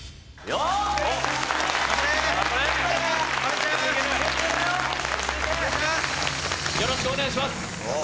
よろしくお願いします！